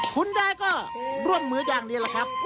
คุณยายก็ร่วมมืออย่างนี้แหละครับ